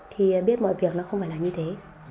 thì biết mọi việc nó không phải là như thế